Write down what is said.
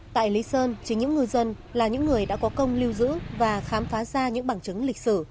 tại lý sơn chính những ngư dân là những người đã có công lưu giữ và khám phá ra những bằng chứng lịch sử